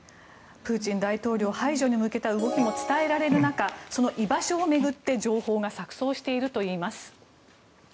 プーチン大統領排除に向けた動きも伝えられる中その居場所を巡って情報が錯そうしているといいます。